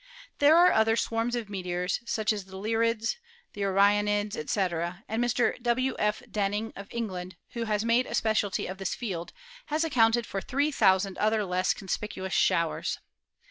There are other swarms of meteors, such as the Lyrids, the Orionids, etc., and Mr. W. F. Denning, of England, who has made a specialty of this field, has accounted for 3,000 other less conspicuous showers.